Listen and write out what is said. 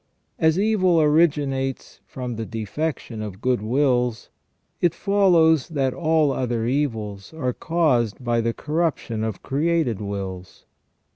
As evil originates from the defection of good wills, it follows that all other evils are caused by the corruption of created wills.